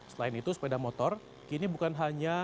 selain itu sepeda motor kini bukan hanya